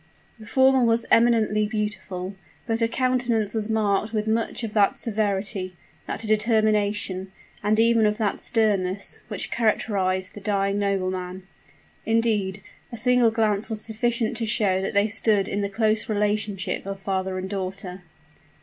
The former was eminently beautiful; but her countenance was marked with much of that severity that determination and even of that sternness, which characterized the dying nobleman. Indeed, a single glance was sufficient to show that they stood in the close relationship of father and daughter.